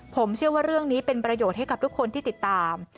ผมเชื่อว่าเรื่องนี้เป็นประโยชน์ให้กับทุกคนที่ติดตาม